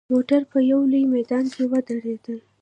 موټر په یوه لوی میدان کې ودرېدل.